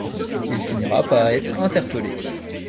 Il finira par être interpellé.